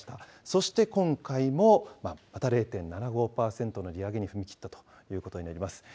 そして今回も、また０．７５％の利上げに踏み切ったということになります。